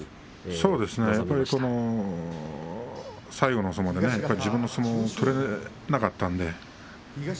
そうですね、最後の相撲で自分の相撲を取れなかったんです。